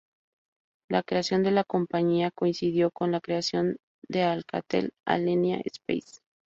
La creación de la compañía coincidió con la creación de Alcatel Alenia Space.